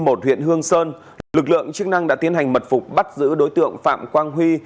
huyện hương sơn lực lượng chức năng đã tiến hành mật phục bắt giữ đối tượng phạm quang huy